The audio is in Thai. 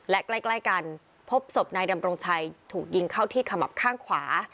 และใกล้กันพบศพนายดำรงชัยถูกยิงเข้าที่ขมับข้างขวา